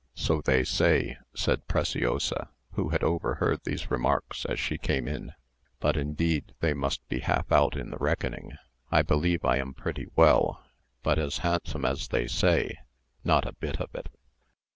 "So they say," said Preciosa, who had overheard these remarks as she came in; "but indeed they must be half out in the reckoning. I believe I am pretty well, but as handsome as they say—not a bit of it!"